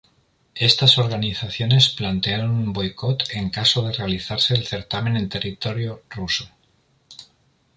Estas organizaciones plantearon un boicot en caso de realizarse el certamen en territorio ruso.